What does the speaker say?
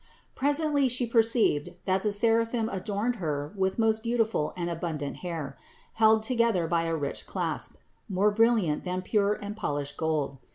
79. Presently She perceived, that the seraphim adorned Her with most beautiful and abundant hair, held together by a rich clasp, more brilliant than pure and polished gold.